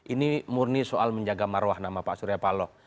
ini murni soal menjaga maruah nama pak surya palo